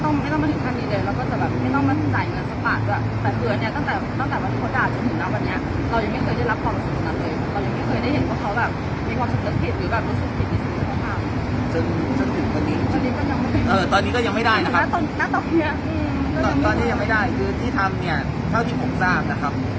ตอนนี้ก็ยังไม่ได้นะครับตอนนี้ยังไม่ได้คือที่ทำเนี้ยเท่าที่ผมทราบนะครับ